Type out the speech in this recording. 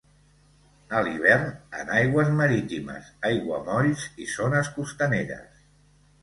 A l'hivern en aigües marítimes, aiguamolls i zones costaneres.